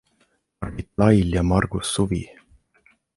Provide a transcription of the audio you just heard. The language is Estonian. Margit Lail ja Margus suvi.